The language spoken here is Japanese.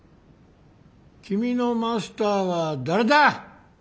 君のマスターは誰だ！